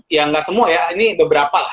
ya nggak semua ya ini beberapa lah